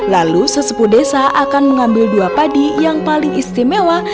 lalu sesepu desa akan mengambil dua padi yang paling istimewa